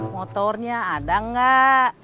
motornya ada enggak